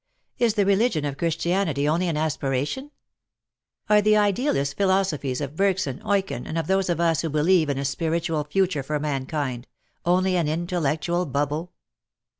Is the religion of Christianity only an aspiration ? Are the Idealist philosophies of Bergson, Eucken and of those of us who believe in a spiritual future for mankind — only an intellectual bubble?